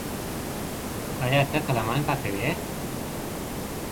ايا ته قلمان پاکوې،